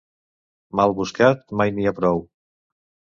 Mal buscat, mai n'hi ha prou.